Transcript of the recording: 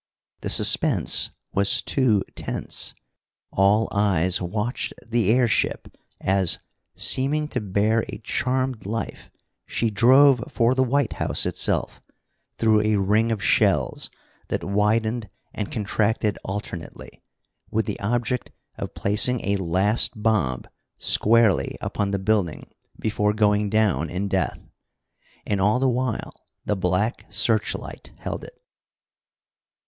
The suspense was too tense. All eyes watched the airship as, seeming to bear a charmed life, she drove for the White House itself, through a ring of shells that widened and contracted alternately, with the object of placing a last bomb squarely upon the building before going down in death. And all the while the black searchlight held it.